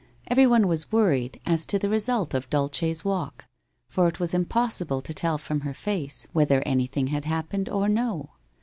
Everyone was worried as to the re sult of Dulce's walk, for it was impossible to tell from her face whether anything had happened or no.